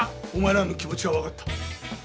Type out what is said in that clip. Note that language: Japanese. お前らの気持ちは分かった。